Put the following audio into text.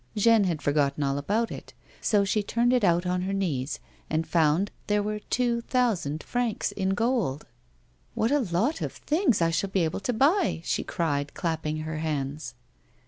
Jeanne had forgotten all about it, so she turned it out on her knees, and found there were two thousand francs in gold. "What a lot of things I shall be able to buy!" she cried, clapping her hands.